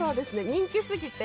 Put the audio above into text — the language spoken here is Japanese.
人気すぎて